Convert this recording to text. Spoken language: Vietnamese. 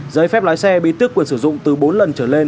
giấy phép lái xe bị tước quyền sử dụng từ bốn lần trở lên